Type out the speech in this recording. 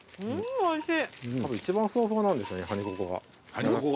おいしい。